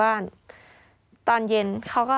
อ้าว